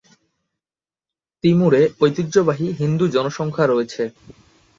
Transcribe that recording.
তিমুরে ঐতিহ্যবাহী হিন্দু জনসংখ্যা রয়েছে।